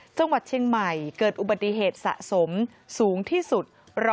จังหวัดเชียงใหม่เกิดอุบัติเหตุสะสมสูงที่สุด